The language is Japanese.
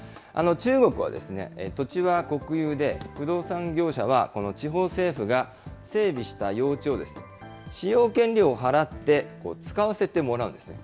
中国は土地は国有で、不動産業者はこの地方政府が整備した用地を、使用権料を払って使わせてもらうんですね。